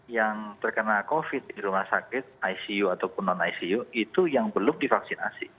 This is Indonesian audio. yang terkena covid di rumah sakit icu ataupun non icu itu yang belum divaksinasi